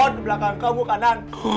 di belakang kamu kanan